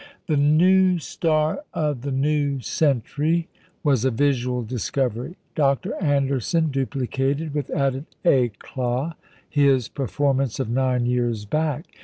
The "new star of the new century" was a visual discovery. Dr. Anderson duplicated, with added éclat, his performance of nine years back.